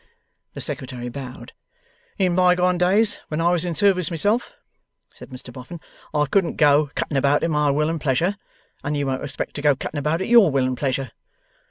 The Secretary bowed. 'In bygone days, when I was in service myself,' said Mr Boffin, 'I couldn't go cutting about at my will and pleasure, and you won't expect to go cutting about at your will and pleasure.